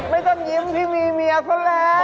ไม่ต้องยิ้มที่มีเมียเขาแล้ว